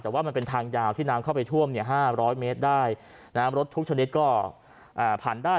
แต่ว่ามันเป็นทางยาวที่น้ำเข้าไปท่วม๕๐๐เมตรได้น้ำรถทุกชนิดก็ผ่านได้